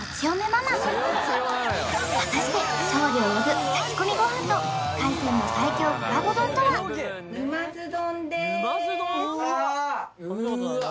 果たして勝利を呼ぶ炊き込みご飯と海鮮の最強コラボ丼とはうーわっきたー